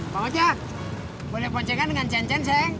tengah dengan cen cen sayang